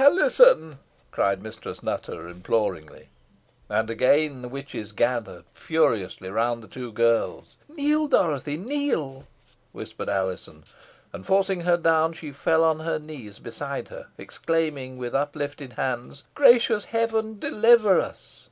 "Alizon!" cried Mistress Nutter, imploringly. And again the witches gathered furiously round the two girls. "Kneel, Dorothy, kneel!" whispered Alizon. And forcing her down, she fell on her knees beside her, exclaiming, with uplifted hands, "Gracious heaven! deliver us."